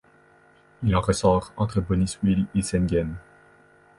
Il en ressort entre Boniswil et Seengen.